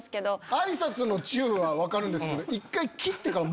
あいさつのチュ！は分かるんですけど。